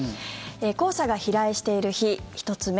黄砂が飛来している日１つ目